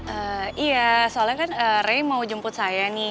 ehh iya soalnya kan rey mau jemput saya nih